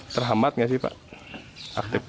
terhambat nggak sih